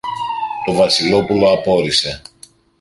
Το Βασιλόπουλο απόρησε.